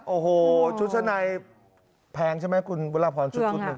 โอ้โฮชุดชะไหนแพงใช่ไหมคุณวิลาพรชุด